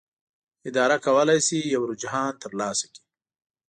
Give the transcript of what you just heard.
اداره کولی شي یو رجحان ترلاسه کړي.